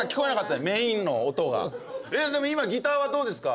でも今ギターはどうですか？